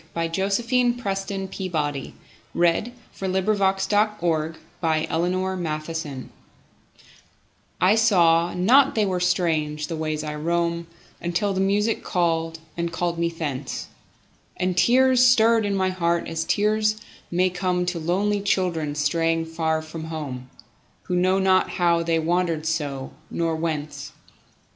By Josephine PrestonPeabody 1671 After Music I SAW not they were strange, the ways I roam, Until the music called, and called me thence, And tears stirred in my heart as tears may comeTo lonely children straying far from home, Who know not how they wandered so, nor whence.